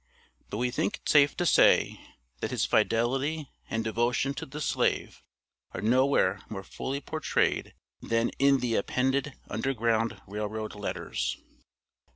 But we think it safe to say that his fidelity and devotion to the slave are nowhere more fully portrayed than in the appended Underground Rail Road letters.